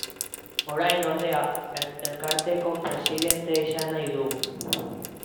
Orain, ordea, elkarteko presidente izan nahi du.